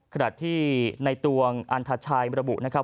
ขณะที่ในตวงอันทชายมรบุว่า